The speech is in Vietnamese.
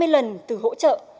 hai mươi lần từ hỗ trợ